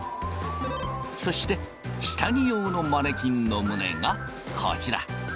そして下着用のマネキンの胸がこちら。